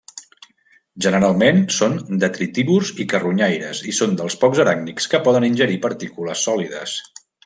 Generalment són detritívors i carronyaires i són dels pocs aràcnids que poden ingerir partícules sòlides.